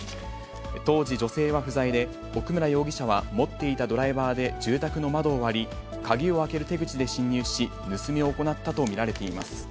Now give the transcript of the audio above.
当時、女性は不在で、奥村容疑者は持っていたドライバーで住宅の窓を割り、鍵を開ける手口で侵入し、盗みを行ったと見られています。